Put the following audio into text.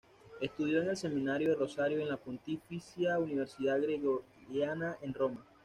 Estudió en el seminario de Rosario y en la Pontificia Universidad Gregoriana en Roma.